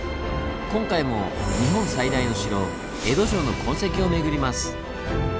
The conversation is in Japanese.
今回も日本最大の城江戸城の痕跡を巡ります。